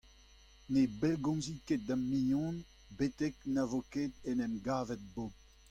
Ne bellgomzin ket da'm mignon betek na vo ket en em gavet Bob.